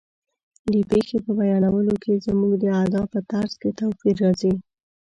د پېښې په بیانولو کې زموږ د ادا په طرز کې توپیر راځي.